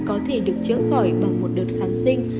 có thể được chữa khỏi bằng một đợt kháng sinh